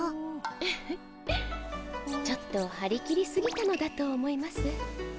フフちょっと張り切りすぎたのだと思います。